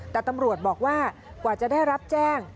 แต่ตำรวจบอกว่ากว่าจะได้รับแจ้ง